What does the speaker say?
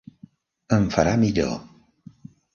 Em farà millor.